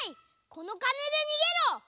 このかねでにげろ！